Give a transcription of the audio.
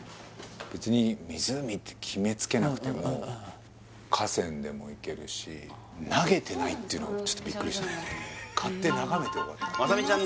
別に湖って決めつけなくても河川でもいけるし投げてないっていうのちょっとビックリ買って眺めて終わったまさみちゃん